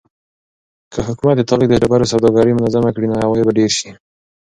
که حکومت د تالک د ډبرو سوداګري منظمه کړي نو عواید به ډېر شي.